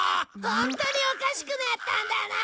ホントにおかしくなったんだな！